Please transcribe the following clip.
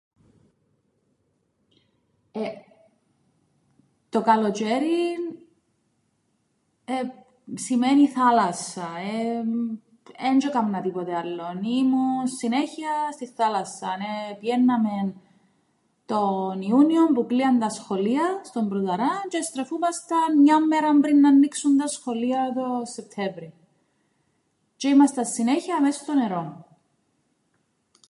Ε, το καλοτζ̆αίριν, ε, σημαίνει θάλασσα εεεμ έντζ̆ε έκαμνα τίποτε άλλον εεε ήμουν συνέχειαν στην θάλασσαν επηαίνναμεν τον Ιούνιον που 'κλείαν τα σχολεία στον Πρωταράν τζ̆αι εστρεφούμασταν μιαν μέραν πριν ν' αννοίξουν τα σχολεία τον Σεπτέμβρην τζ̆αι ήμασταν συνέχεια μες στο νερόν.